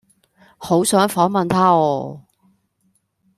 好想訪問他啊！